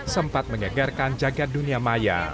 sempat mengegarkan jagadik